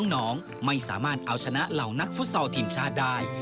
น้องไม่สามารถเอาชนะเหล่านักฟุตซอลทีมชาติได้